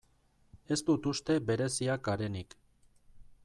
Ez dut uste bereziak garenik.